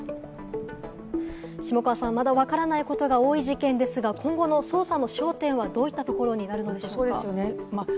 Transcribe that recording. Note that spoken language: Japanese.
下川さん、まだわからないことが多い事件ですが、今後の捜査の焦点はどういったところになるのでしょうか？